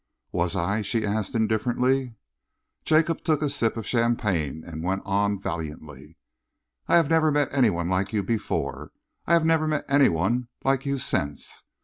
"Was I?" she asked indifferently. Jacob took a sip of champagne and went on valiantly. "I had never met any one like you before. I have never met any one like you since.